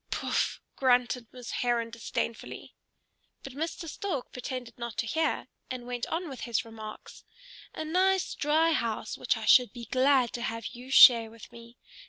"Pouf!" grunted Miss Heron disdainfully. But Mr. Stork pretended not to hear, and went on with his remarks, "a nice dry house which I should be glad to have you share with me.